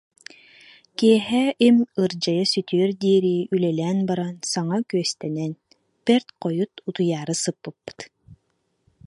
Киэһэ им ырдьайа сүтүөр диэри үлэлээн баран саҥа күөстэнэн, бэрт хойут утуйаары сыппыппыт